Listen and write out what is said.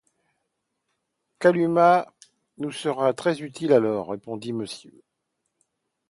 Kalumah nous sera très utile alors, répondit Mrs.